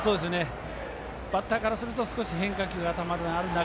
バッターからすると少し変化球が頭にある中。